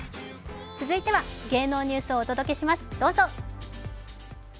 続いては芸能ニュースをお届けしますどうぞ。